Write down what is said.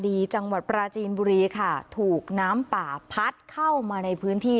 จังหวัดปราจีนบุรีค่ะถูกน้ำป่าพัดเข้ามาในพื้นที่